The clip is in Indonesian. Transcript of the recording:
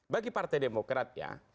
bagi partai demokrat